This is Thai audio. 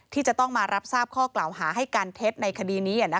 ที่จะต้องมารับทราบข้อกล่าวหาให้การเท็จในคดีนี้